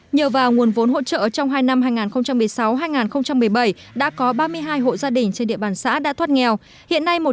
nhờ vào nguồn vốn hỗ trợ trong hai năm hai nghìn một mươi sáu hai nghìn một mươi bảy đã có ba mươi hai hộ gia đình trên địa bàn xã đã thoát nghèo